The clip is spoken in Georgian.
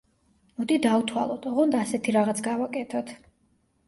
მოდი დავთვალოთ, ოღონდ ასეთი რაღაც გავაკეთოთ:.